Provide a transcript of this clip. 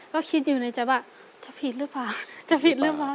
ก็คิดอยู่ในแบบจะผิดหรือเปล่า